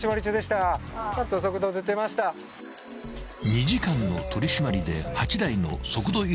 ［２時間の取り締まりで］